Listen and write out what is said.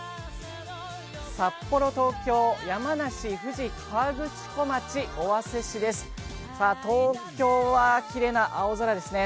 札幌、東京、山梨、富士河口湖町、尾鷲市です、東京はきれいな青空ですね。